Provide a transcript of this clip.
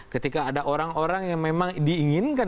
ketika ada orang orang yang memang diinginkan